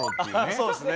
そうですね。